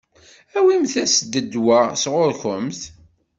Awimt-as-d ddwa sɣur-kemt.